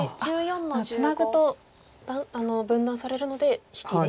あっツナぐと分断されるので引きで。